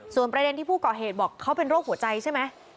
ส่วนประเด็นที่ผู้ก่อเหตุบอกเขาเป็นโรคหัวใจใช่ไหม